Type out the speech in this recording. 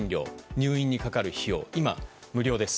入院にかかる費用は今は無料です。